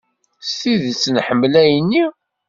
S tidet nḥemmel ayen-nni.